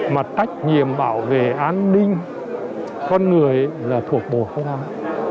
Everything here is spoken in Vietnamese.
mà trách nhiệm bảo vệ an ninh con người là thuộc bộ công an